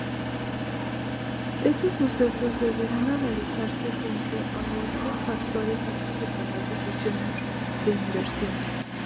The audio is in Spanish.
Esos sucesos deberían analizarse junto a otros factores antes de tomar decisiones de inversión.